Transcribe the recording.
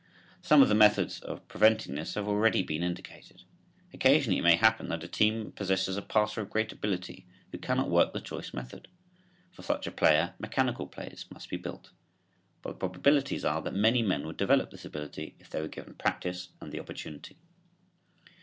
Some of the methods of preventing this have already been indicated. Occasionally it may happen that a team possesses a passer of great ability who cannot work the "choice" method. For such a player "mechanical" plays must be built. But the probabilities are that many men would develop this ability if they were given practice and the opportunity.